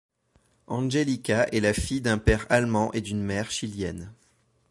Angelika est la fille d'un père allemand et d'une mère chilienne.